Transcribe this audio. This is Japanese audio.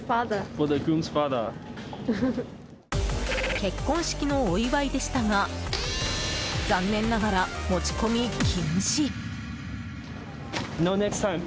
結婚式のお祝いでしたが残念ながら、持ち込み禁止。